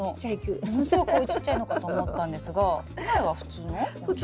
ものすごくちっちゃいのかと思ったんですが苗は普通の大きさですか？